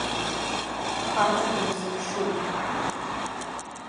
Бхаҵа дыбзыԥшуп.